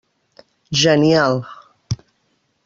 Genial.